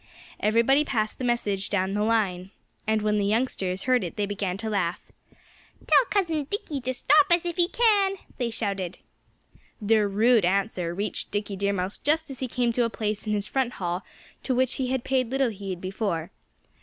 Everybody passed the message down the line. And when the youngsters heard it they began to laugh. "Tell Cousin Dickie to stop us if he can," they shouted. Their rude answer reached Dickie Deer Mouse just as he came to a place in his front hall to which he had paid little heed before.